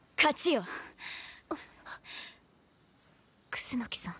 楠さん。